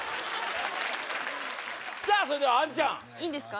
さあそれでは杏ちゃんいいんですか？